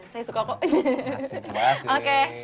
saya suka kok